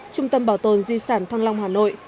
trung tâm bảo tồn di sản thăng long hà nội